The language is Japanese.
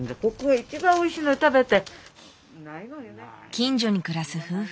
近所に暮らす夫婦。